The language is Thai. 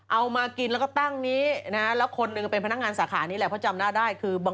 เอามากินแล้วก็ตั้งนี้นะฮะแล้วคนหนึ่งก็เป็นพนักงานสาขานี้แหละเพราะจำหน้าได้คือบาง